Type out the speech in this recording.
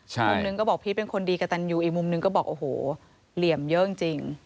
มุมหนึ่งก็บอกพีชเป็นคนดีกระตันยูอีกมุมนึงก็บอกโอ้โหเหลี่ยมเยอะจริง